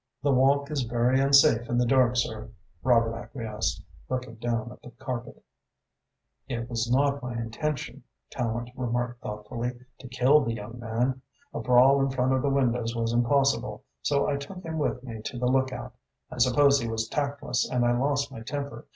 "The walk is very unsafe in the dark, sir," Robert acquiesced, looking down at the carpet. "It was not my intention," Tallente remarked thoughtfully, "to kill the young man. A brawl in front of the windows was impossible, so I took him with me to the lookout. I suppose he was tactless and I lost my temper.